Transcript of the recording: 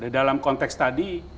dalam konteks tadi